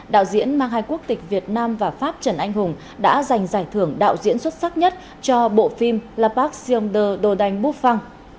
đạo diễn mang hai quốc tịch việt nam và pháp trần anh hùng đã giành giải thưởng đạo diễn xuất sắc nhất cho bộ phim la pax siong de đồ đanh bú phăng